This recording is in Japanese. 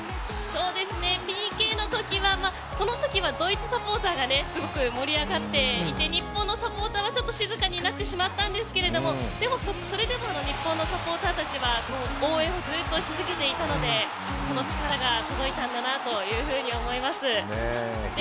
ＰＫの時はドイツサポーターはすごく盛り上がっていて日本のサポーターはちょっと静かになってしまったんですけれどもそれでも日本のサポーターたちは応援をずっとし続けていたのでその力が届いたんだなというふうに思います。